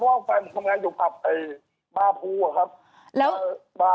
เพราะว่าแฟนผมทำงานอยู่ผับไอ้บาพูอะครับ